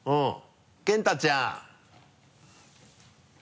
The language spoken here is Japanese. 健汰ちゃん！